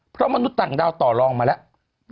เพราะมนุษย์ต่างดาวต่อลองมาแล้ว